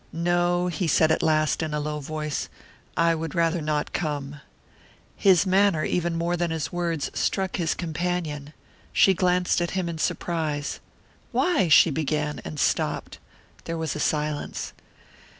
"No," he said at last, in a low voice. "I would rather not come." His manner, even more than his words, struck his companion. She glanced at him in surprise. "Why?" she began, and stopped. There was a silence.